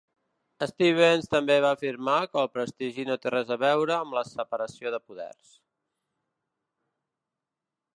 Stevens també va afirmar que el prestigi no té res a veure amb la separació de poders.